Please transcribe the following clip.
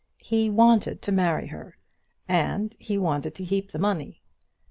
He wanted to marry her, and he wanted to keep the money.